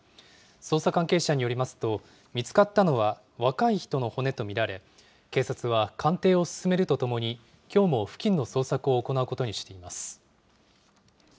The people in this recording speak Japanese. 捜査関係者によりますと、見つかったのは若い人の骨と見られ、警察は鑑定を進めるとともに、きょうも付近の捜索を行うことにしています。